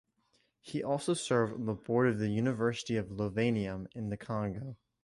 He also served on the board of the University of Lovanium in the Congo.